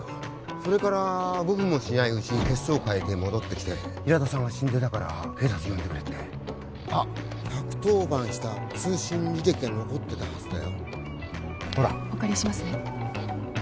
それから５分もしないうちに血相変えて戻ってきて平田さんが死んでたから警察呼んでくれってあっ１１０番した通信履歴が残ってたはずだよほらお借りしますね